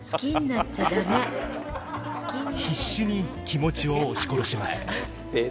必死に気持ちを押し殺します